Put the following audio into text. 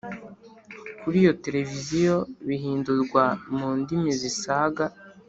Kuri iyo televiziyo bihindurwa mu ndimi zisaga